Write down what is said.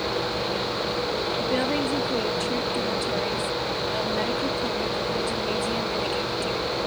The buildings included troop dormitories, a medical clinic, a gymnasium and a cafeteria.